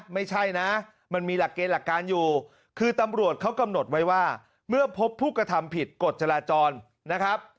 ไม่ใช่นะมันมีหลักเกณฑ์หลักการอยู่คือตำรวจเขากำหนดไว้ว่าเมื่อพบผู้กระทำผิดกฎจราจรนะครับ